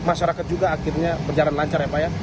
masyarakat juga akhirnya berjalan lancar ya pak ya